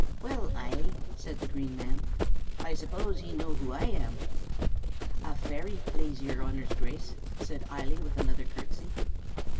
"Well, Eily," said the Green Man, "I suppose ye know who I am?" "A fairy, plaze yer Honor's Grace!" said Eily, with another courtesy.